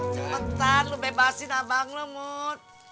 cepetan lo bebasin abang lo mut